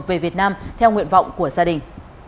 về việt nam theo nguyện vọng của gia đình